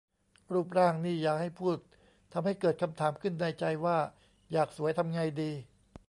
รูปร่างนี่อย่าให้พูด ทำให้เกิดคำถามขึ้นในใจว่า อยากสวยทำไงดี